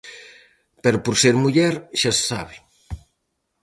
Pero por ser muller, xa se sabe.